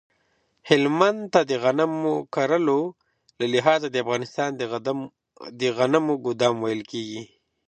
هلمند ته د غنم کرلو له لحاظه د افغانستان د غنمو ګدام ویل کیږی